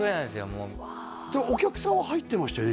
もうお客さんは入ってましたよね？